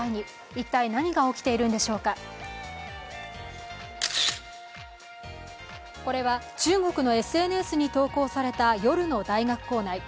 一体、何が起きているんでしょうかこれは中国のＳＮＳに投稿された夜の大学構内。